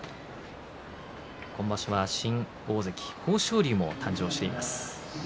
今場所は新大関豊昇龍も誕生しています。